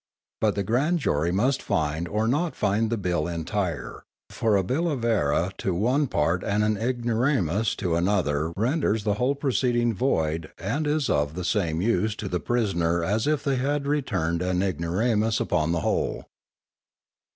But the grand jury must find or not find the bill entire, for a_ Billa Vera to one part and an Ignoramus to another renders the whole proceeding void and is of the same use to the prisoner as if they had returned an Ignoramus _upon the whole.